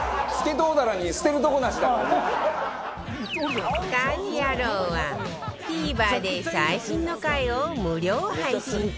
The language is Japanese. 『家事ヤロウ！！！』は ＴＶｅｒ で最新の回を無料配信中